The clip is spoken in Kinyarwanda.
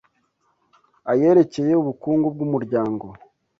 ayerekeye ubukungu bw’umuryango: